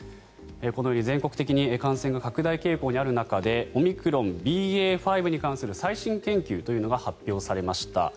このように全国的に感染が拡大傾向にある中でオミクロン、ＢＡ．５に関する最新研究というのが発表されました。